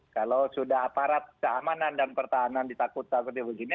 kalau sudah aparat keamanan dan pertahanan ditakut takuti begini